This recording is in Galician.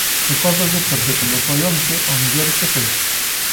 Recórdollo porque, como foi onte, ao mellor esqueceuse.